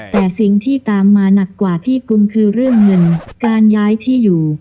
แต่สิ่งที่ตามมาหนักกว่าพี่กุมคือเรื่องเงินการย้ายที่อยู่